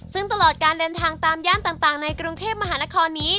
ซึ่งตลอดการเดินทางตามย่านต่างในกรุงเทพมหานครนี้